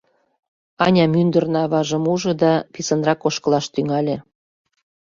Аня мӱндырнӧ аважым ужо да писынрак ошкылаш тӱҥале.